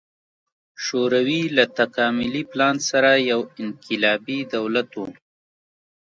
شوروي له تکاملي پلان سره یو انقلابي دولت و.